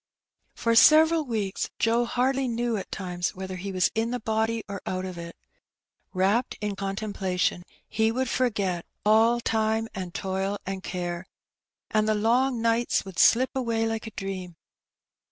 For several weeks Joe hardly knew at times whether he was in the body or out of it. Wrapped in contem plation, he would forget "all time and toil and care,'' and the long nights would slip away like a dream.